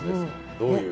どういう。